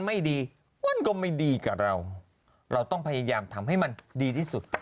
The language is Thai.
ไม่ดีมันก็ไม่ดีกับเราเราต้องพยายามทำให้มันดีที่สุด